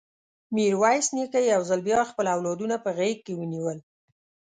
ميرويس نيکه يو ځل بيا خپل اولادونه په غېږ کې ونيول.